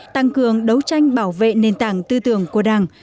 tăng cường đấu tranh bảo vệ nền tảng tư tưởng của đảng